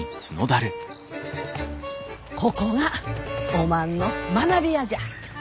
ここがおまんの学びやじゃ。